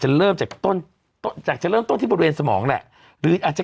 เริ่มจากต้นต้นจากจะเริ่มต้นที่บริเวณสมองแหละหรืออาจจะ